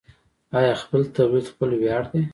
آیا خپل تولید خپل ویاړ دی؟